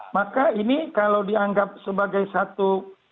maka ini kalau dianggap sebagai satu